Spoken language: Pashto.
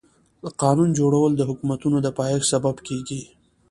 د قانون جوړول د حکومتونو د پايښت سبب کيږي.